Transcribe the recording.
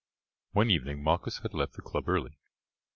One evening Malchus had left the club early.